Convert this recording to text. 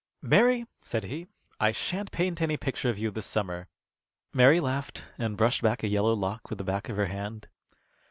"Mary," said he, "I sha'n't paint any picture of you this summer." Mary laughed, and brushed back a yellow lock with the back of her hand.